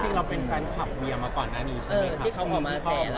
จริงเราเป็นแฟนคลับเมียมาก่อนนะนี่ใช่มั้ยคะ